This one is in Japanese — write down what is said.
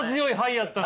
やったな。